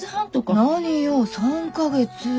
何よ３か月。